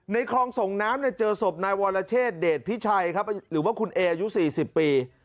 คลองส่งน้ำเจอศพนายวรเชษเดชพิชัยครับหรือว่าคุณเออายุ๔๐ปี